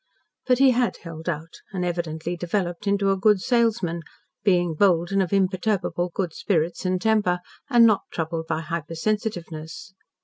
But he had held out, and evidently developed into a good salesman, being bold and of imperturbable good spirits and temper, and not troubled by hypersensitiveness.